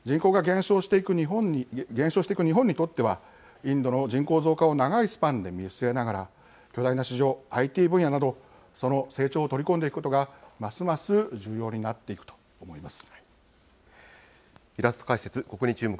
人口が減少していく日本にとってはインドの人口増加を長いスパンで見据えながら巨大な市場、ＩＴ分野などその成長を取り込んでいくことがますます重要になっていくと思います。